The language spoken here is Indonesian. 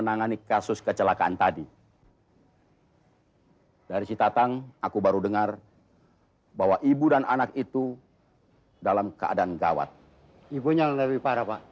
tapi kalau soal nyetir aku berani diadu sama sudah punya sim